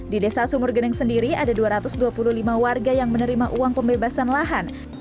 di desa sumur geneng sendiri ada dua ratus dua puluh lima warga yang menerima uang pembebasan lahan